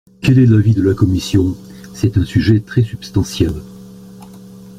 Quel est l’avis de la commission ? C’est un sujet très substantiel.